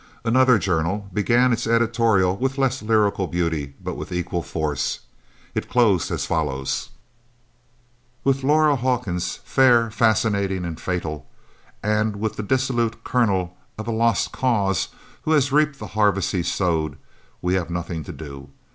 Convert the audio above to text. Another journal began its editorial with less lyrical beauty, but with equal force. It closed as follows: With Laura Hawkins, fair, fascinating and fatal, and with the dissolute Colonel of a lost cause, who has reaped the harvest he sowed, we have nothing to do.